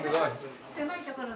狭い所で。